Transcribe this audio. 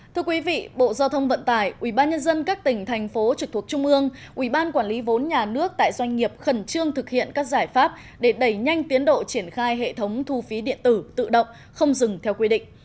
thưa quý vị bộ giao thông vận tải ubnd các tỉnh thành phố trực thuộc trung ương ubnd quản lý vốn nhà nước tại doanh nghiệp khẩn trương thực hiện các giải pháp để đẩy nhanh tiến độ triển khai hệ thống thu phí điện tử tự động không dừng theo quy định